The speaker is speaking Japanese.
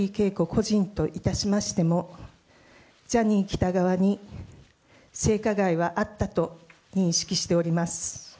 個人といたしましても、ジャニー喜多川に性加害はあったと認識しております。